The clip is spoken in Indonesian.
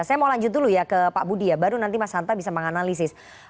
saya mau lanjut dulu ya ke pak budi ya baru nanti mas hanta bisa menganalisis